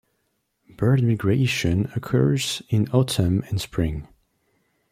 Bird migration occurs in autumn and spring.